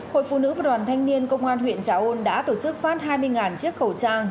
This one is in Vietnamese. hội phụ nữ và đoàn thanh niên công an huyện trà ôn đã tổ chức phát hai mươi chiếc khẩu trang